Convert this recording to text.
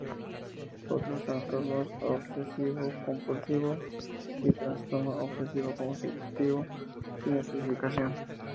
Otros trastornos obsesivo-compulsivos y Trastorno obsesivo-compulsivo sin especificación.